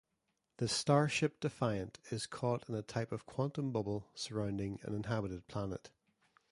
The starship "Defiant" is caught in a type of "quantum-bubble" surrounding an inhabited planet.